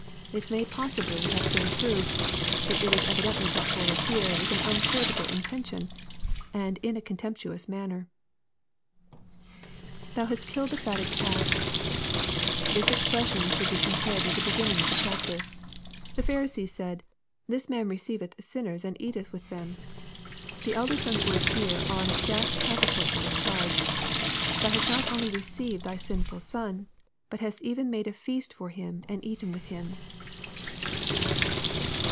It may possibly have been true, but it is evidently brought forward here with an unchariir able intention, and in a contemptuous manner. [Thou hast killed the fatted calf.] This expression should be compared with the beginning of the chapter. The Pharisee said, " This man receiveth sinners and eateth with them." The elder son's words here are an exact counterpart to this charge. " Thou hast not only received thy sinful son, but hast even made a feast for him, and eaten with him."